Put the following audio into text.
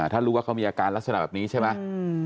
ถ้ารู้ว่าเขามีอาการลักษณะแบบนี้ใช่ไหม